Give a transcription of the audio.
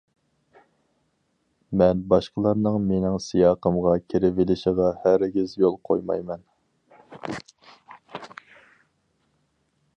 مەن باشقىلارنىڭ مىنىڭ سىياقىمغا كىرىۋېلىشىغا ھەرگىز يول قويمايمەن.